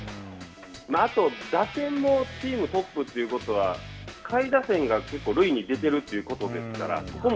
あと、打点もチームトップということは、下位打線が結構塁に出ているということですから、そこも